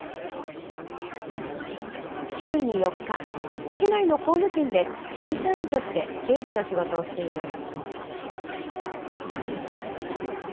週に４日、市内の工務店で正社員として経理の仕事をしています。